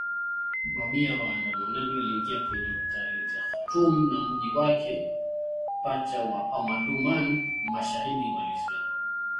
Mamia ya waandamanaji waliingia kwenye mitaa yote ya Khartoum na mji wake pacha wa Omdurman, mashahidi walisema